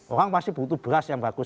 orang pasti butuh beras yang bagus